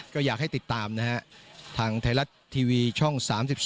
ก็อยากให้ติดตามนะฮะทางไทยรัฐทีวีช่อง๓๒